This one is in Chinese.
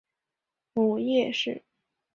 母叶氏。